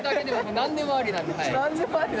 何でもありなんですか？